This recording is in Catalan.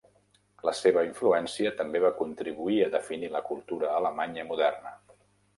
La seva influència també va contribuir a definir la cultura alemanya moderna.